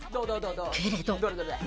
けれど。